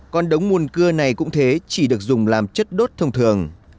còn đống muôn cưa này cũng thế chỉ được dùng làm chất đốt thông thường